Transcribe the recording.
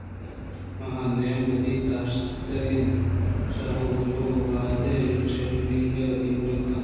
آہاں دائم وتی داشتگیں شادو ءُ گُلّو وہد ءِ ٹیلینگ ءُ وتی مُلما کنگ ءَ گوں وت بُرت اَنت گوں